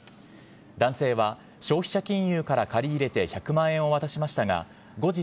男性は消費者金融から借り入れて１００万円を渡しましたが、後日、